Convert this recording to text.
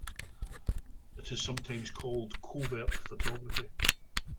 It is sometimes called covert photography.